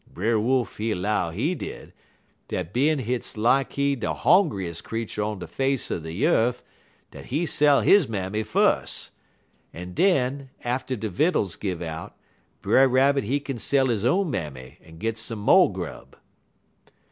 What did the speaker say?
Brer Wolf, he 'low, he did, dat bein' 's hit seem lak he de hongriest creetur on de face er de yeth, dat he sell his mammy fus', en den, atter de vittles gin out, Brer Rabbit he kin sell he own mammy en git some mo' grub.